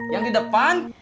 yang di depan